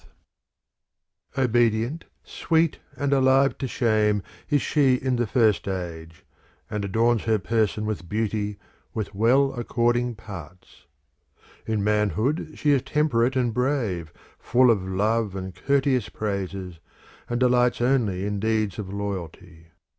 THE FOURTH TREATISE 227 Obedient, sweet and alive to shame, is she in the first age; and adorns her person with beauty with well according parts. In manhood she is temperate and brave, Full of love and courteous praises, and delights only in deeds of loyalty.